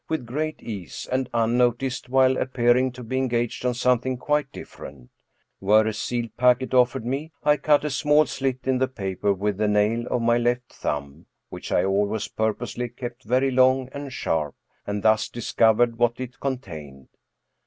with great ease, and un noticed, while appearing to be engaged on something quite different Were a sealed parcel offered me, I cut a small slit in the paper with the nail of my left tfiumb, which I always purposely kept very long and sharp, and thus dis covered what it contained.